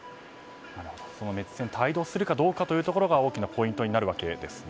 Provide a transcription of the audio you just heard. メッツ戦に帯同するかどうかが大きなポイントになるわけですね。